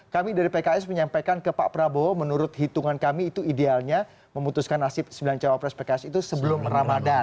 kami dari pks menyampaikan ke pak prabowo menurut hitungan kami itu idealnya memutuskan nasib sembilan cawapres pks itu sebelum ramadhan